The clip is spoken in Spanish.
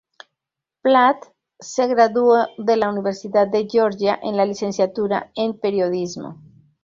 Platt se graduó de la Universidad de Georgia en la licenciatura en Periodismo.